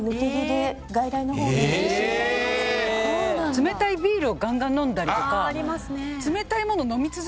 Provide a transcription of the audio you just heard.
冷たいビールをガンガン飲んだりとか。